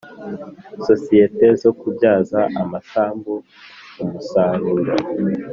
Sosiyete zo kubyaza amasambu umusaruro